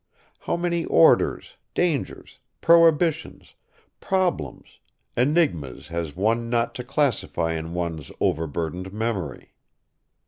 How many orders, dangers, prohibitions, problems, enigmas has one not to classify in one's overburdened memory!...